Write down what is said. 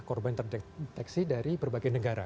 korban terdeteksi dari berbagai negara